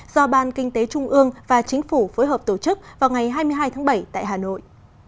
do ban kinh tế trung ương và chính phủ phối hợp tổ chức vào ngày hai mươi hai tháng bảy tại hà nội